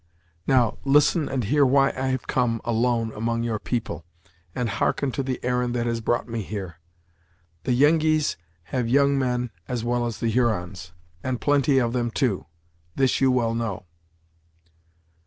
Now, listen and hear why I have come alone among your people, and hearken to the errand that has brought me here. The Yengeese have young men, as well as the Hurons; and plenty of them, too; this you well know."